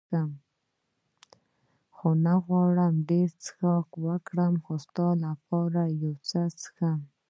خو زه نه غواړم ډېر څښاک وکړم، ستا لپاره یو څه څښم.